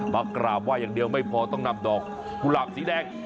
กราบไห้อย่างเดียวไม่พอต้องนำดอกกุหลาบสีแดง